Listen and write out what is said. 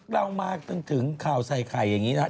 เรามาจนถึงข่าวใส่ไข่อย่างนี้นะครับ